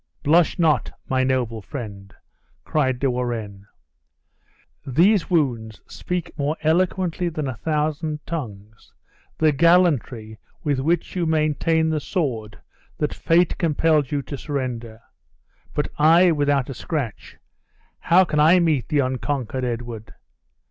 "Blush not, my noble friend!" cried De Warenne; "these wounds speak more eloquently than a thousand tongues, the gallantry with which you maintained the sword that fate compelled you to surrender. But I, without a scratch, how can I meet the unconquered Edward?